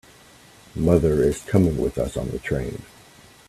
Mother is coming with us on the train.